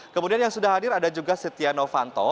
kemudian yang sudah hadir ada juga setia novanto